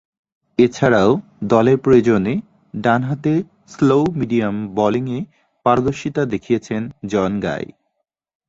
এছাড়াও, দলের প্রয়োজনে ডানহাতে স্লো-মিডিয়াম বোলিংয়ে পারদর্শীতা দেখিয়েছেন জন গাই।